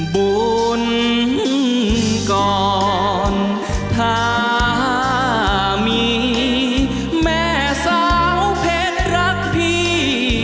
บุญก่อนถ้ามีแม่สาวเพชรรักพี่